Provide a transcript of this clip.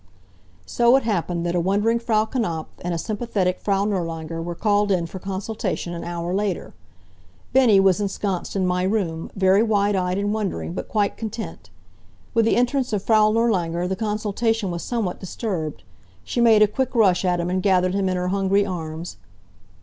So it happened that a wondering Frau Knapf and a sympathetic Frau Nirlanger were called in for consultation an hour later. Bennie was ensconced in my room, very wide eyed and wondering, but quite content. With the entrance of Frau Nirlanger the consultation was somewhat disturbed. She made a quick rush at him and gathered him in her hungry arms.